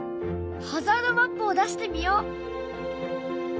ハザードマップを出してみよう！